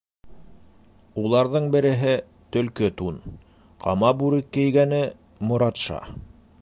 Уларҙың береһе — төлкө тун, ҡама бүрек кейгәне — Моратша.